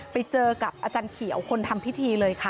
ไปเจอกับอาจารย์เขียวคนทำพิธีเลยค่ะ